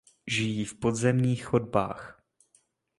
Žijí v podzemních chodbách.